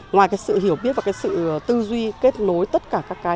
ngoài cái sự hiểu biết và cái sự tư duy kết nối tất cả các cái